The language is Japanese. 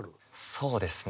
そうですね。